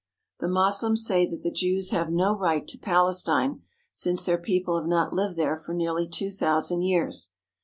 The Moslems say that the Jews have no right to Pales tine since their people have not lived there for nearly two thousand years.